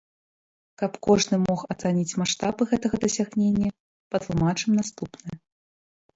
Каб кожны мог ацаніць маштабы гэтага дасягнення, патлумачым наступнае.